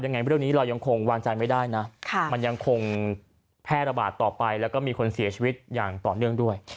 ยังไงเรื่องนี้เรายังคงวางใจไม่ได้นะมันยังคงแพร่ระบาดต่อไปแล้วก็มีคนเสียชีวิตอย่างต่อเนื่องด้วย